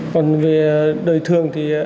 còn về đời thường thì